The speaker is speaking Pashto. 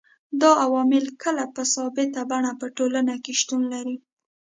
دا عوامل کله په ثابته بڼه په ټولنه کي شتون لري